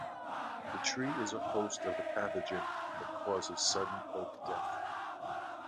The tree is a host of the pathogen that causes sudden oak death.